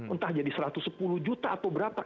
entah jadi satu ratus sepuluh juta atau berapa